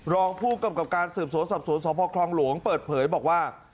รองผู้กำกับการสืบสวนสอบสวนสพคลองหลวงเปิดเผยบอกว่า